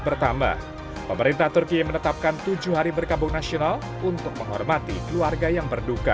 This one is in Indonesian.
bertambah pemerintah turki menetapkan tujuh hari berkabung nasional untuk menghormati keluarga yang berduka